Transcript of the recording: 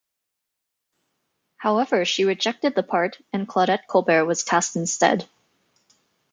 However, she rejected the part, and Claudette Colbert was cast instead.